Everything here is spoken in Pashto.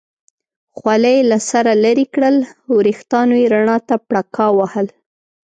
خولۍ یې له سره لرې کړل، وریښتانو یې رڼا ته پړکا وهل.